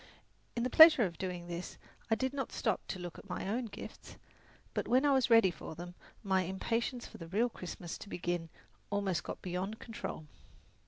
In the pleasure of doing this, I did not stop to look at my own gifts; but when I was ready for them, my impatience for the real Christmas to begin almost got beyond control.